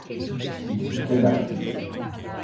Il souffrait d’arthrite.